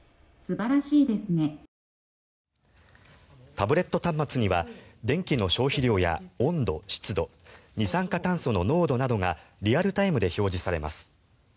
タブレット端末には電気の消費量や温度、湿度二酸化炭素の濃度などがリアルタイムで表示されます。